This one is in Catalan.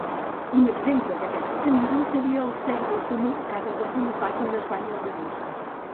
Un exemple d'aquest mecanisme seria el cérvol comú que ha desenvolupat unes banyes robustes.